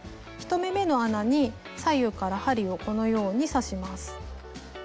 １目めの穴に左右から針をこのように刺します。